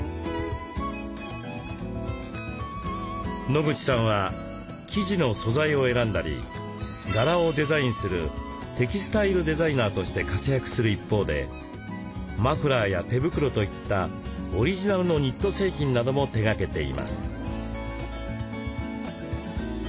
野口さんは生地の素材を選んだり柄をデザインするテキスタイルデザイナーとして活躍する一方でマフラーや手袋といったオリジナルのニット製品なども手がけています。